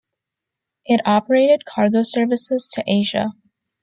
It operated cargo services to Asia.